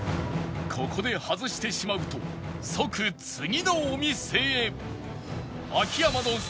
ここで外してしまうと即次のお店へ